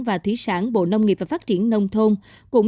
và thủy sản bộ nông nghiệp và phát triển nông thôn cũng